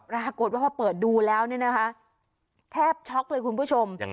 ปรากฏว่าพอเปิดดูแล้วเนี่ยนะคะแทบช็อกเลยคุณผู้ชม